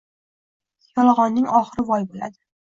Yolg‘onning oxiri voy bo‘ladi.